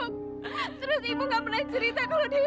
gak bahaya buat kesehatan bibi